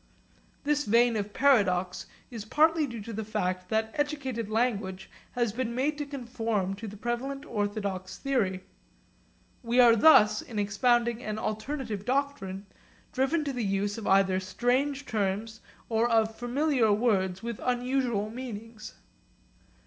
This vein of paradox is partly due to the fact that educated language has been made to conform to the prevalent orthodox theory. We are thus, in expounding an alternative doctrine, driven to the use of either strange terms or of familiar words with unusual meanings.